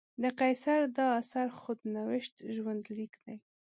د قیصر دا اثر خود نوشت ژوندلیک دی.